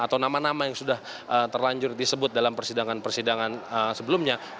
atau nama nama yang sudah terlanjur disebut dalam persidangan persidangan sebelumnya